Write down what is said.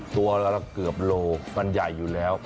ตัวละเกือบโลมันใหญ่อยู่แล้ว